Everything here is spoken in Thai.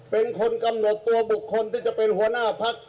เป็นคนกำหนดตัวบุคคลที่จะเป็นหัวหน้าพัก